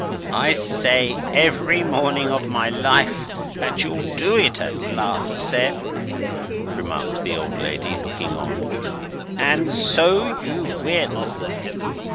"I say, every morning of my life, that you'll do it at last, Sept," remarked the old lady, looking on; "and so you will."